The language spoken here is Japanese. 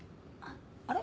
あれ？